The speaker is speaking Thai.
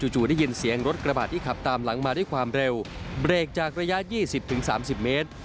จู่ได้ยินเสียงรถกระบาดที่ขับตามหลังมาด้วยความเร็วเบรกจากระยะ๒๐๓๐เมตร